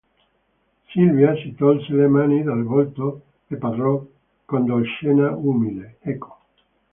Silvia si tolse le mani dal volto e parlò, con dolcezza umile: – Ecco.